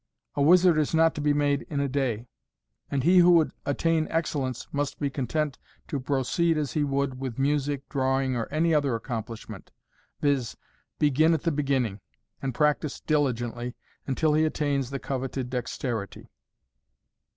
A wizard is not to be made in a day, and he who would attain excellence must be content to pro ceed as he would with music, drawing, or any other accomplishment — viz., begin at the beginning, and practise diligently until he attains the coveted dexterity.